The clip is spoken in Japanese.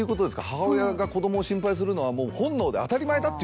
母親が子どもを心配するのはもう本能で当たり前だっていうこと？